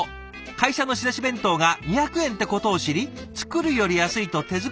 会社の仕出し弁当が２００円ってことを知り作るより安いと手作り弁当は中止。